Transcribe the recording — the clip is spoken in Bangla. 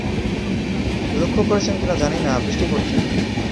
লক্ষ করেছেন কিনা জানি না, বৃষ্টি পড়ছে।